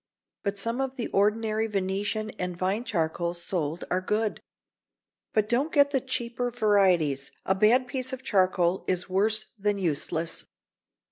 But some of the ordinary Venetian and vine charcoals sold are good. But don't get the cheaper varieties: a bad piece of charcoal is worse than useless.